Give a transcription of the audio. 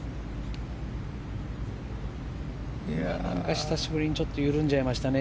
久しぶりに緩んじゃいましたね。